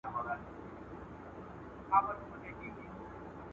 ښوونځي ماشومانو ته د مسئولیت احساس ورکوي.